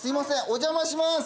お邪魔します。